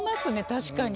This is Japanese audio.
確かに。